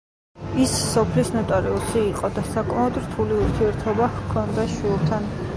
ის სოფლის ნოტარიუსი იყო, და საკმაოდ რთული ურთიერთობა ჰქონდა შვილთან.